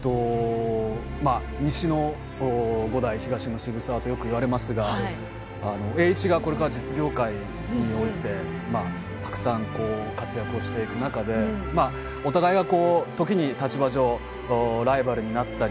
西の五代東の渋沢とよく言われますが栄一がこれから実業界においてたくさん活躍していく中でお互いが時に立場上ライバルになったり